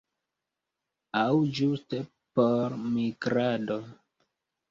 Aŭ ĝuste por migrado.